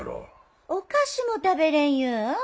お菓子も食べれん言うん？